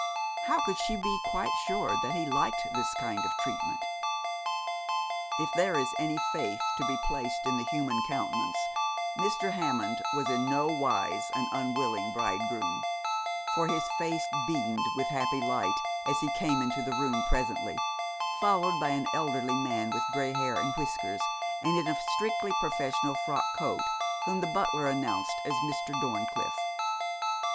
How could she be quite sure that he liked this kind of treatment? If there is any faith to be placed in the human countenance, Mr. Hammond was in no wise an unwilling bridegroom; for his face beamed with happy light as he came into the room presently, followed by an elderly man with grey hair and whiskers, and in a strictly professional frock coat, whom the butler announced as Mr. Dorncliffe.